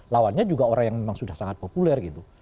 lawannya juga orang yang memang sudah sangat populer gitu